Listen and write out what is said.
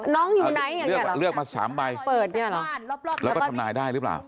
น้องอยู่ไหนอย่างนี้หรอเลือกมา๓ใบเปิดอย่างนี้หรอแล้วก็ทำนายได้หรือเปล่า